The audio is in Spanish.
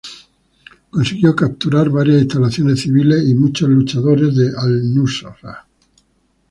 Consiguió capturar varias instalaciones civiles y muchos luchadores de Al-Nusra.